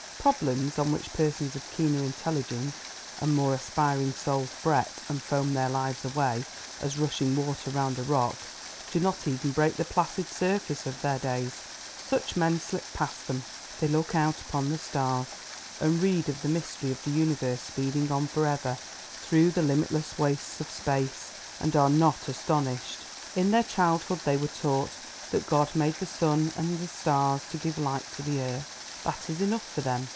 Problems, on which persons of keener intelligence and more aspiring soul fret and foam their lives away as rushing water round a rock, do not even break the placid surface of their days. Such men slip past them. They look out upon the stars and read of the mystery of the universe speeding on for ever through the limitless wastes of space, and are not astonished. In their childhood they were taught that God made the sun and the stars to give light on the earth; that is enough for them.